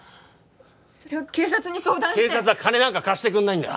それは警察に相談して警察は金なんか貸してくんないんだよ